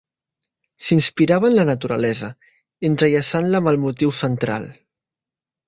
S'inspirava en la naturalesa, entrellaçant-la amb el motiu central.